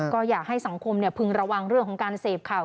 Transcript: ก็อยากให้สังคมพึงระวังเรื่องของการเสพข่าว